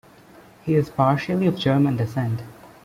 He is partially of German descent.